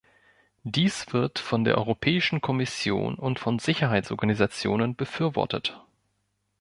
Dies wird von der Europäischen Kommission und von Sicherheitsorganisationen befürwortet.